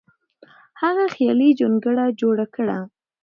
هغه خیالي جونګړه جوړه کړه.